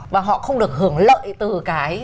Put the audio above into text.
và họ không được hưởng lợi từ cái